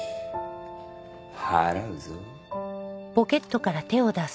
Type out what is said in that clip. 払うぞ。